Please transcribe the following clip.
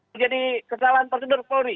terjadi kesalahan prosedur polri